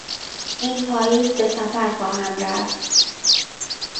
این پاییز به سفر خواهم رفت.